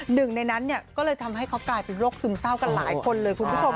หนึ่งในนั้นเนี่ยก็เลยทำให้เขากลายเป็นโรคซึมเศร้ากันหลายคนเลยคุณผู้ชม